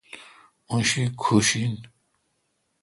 اوں شی کھوش این۔